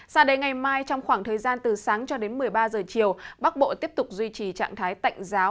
sao đến ngày mai trong khoảng thời gian từ sáng cho đến một mươi ba giờ chiều bắc bộ tiếp tục duy trì trạng thái tạnh giáo